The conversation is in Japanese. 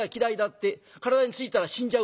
体についたら死んじゃうって」。